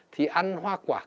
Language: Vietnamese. thì ăn hoa quả